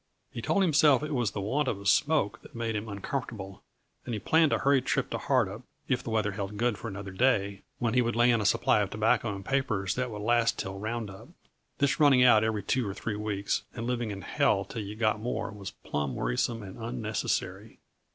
He told himself it was the want of a smoke that made him uncomfortable, and he planned a hurried trip to Hardup, if the weather held good for another day, when he would lay in a supply of tobacco and papers that would last till roundup. This running out every two or three weeks, and living in hell till you got more, was plumb wearisome and unnecessary.